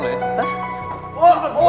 deketin ceweknya bukan bokapnya